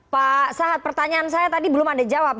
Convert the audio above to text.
pak sahat pertanyaan saya tadi belum ada jawab